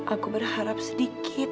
aku berharap sedikit